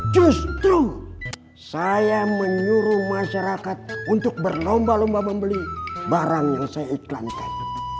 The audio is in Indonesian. justru saya menyuruh masyarakat untuk berlomba lomba membeli barang yang saya iklankan